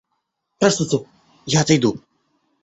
Простите, я отойду.